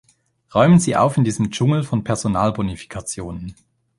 Räumen Sie auf in diesem Dschungel von Personalbonifikationen!